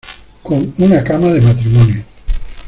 con una cama de matrimonio